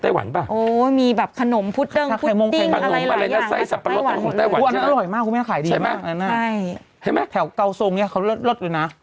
เห็นไหมแถวเกาทรงเนี่ยเขาเลิศอยู่นะ